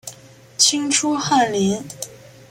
清初翰林。